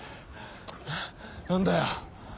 何だよ。